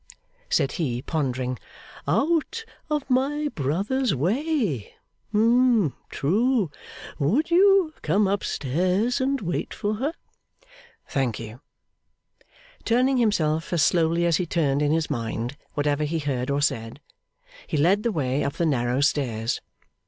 said he, pondering. 'Out of my brother's way? True. Would you come up stairs and wait for her?' 'Thank you.' Turning himself as slowly as he turned in his mind whatever he heard or said, he led the way up the narrow stairs.